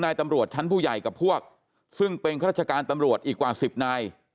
ตำรวจชั้นผู้ใหญ่กับพวกซึ่งเป็นข้าราชการตำรวจอีกกว่า๑๐นาย